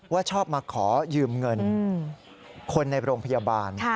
ว่าชอบมาขอยืมเงินคนในโรงพยาบาล